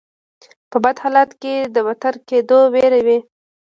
په بد حالت کې د بدتر کیدو ویره وي.